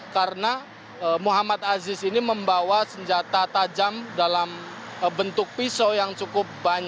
karena muhammad aziz ini membawa senjata tajam dalam bentuk pisau